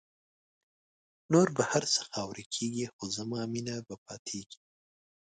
نور به هر څه خاوری کېږی خو زما مینه به پاتېږی